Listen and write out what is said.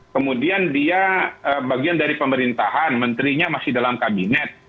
kemudian dia bagian dari pemerintahan menterinya masih dalam kabinet